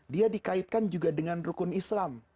dia dikaitkan juga dengan rukun islam